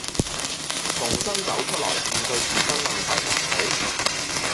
重新走出來面對自身問題還好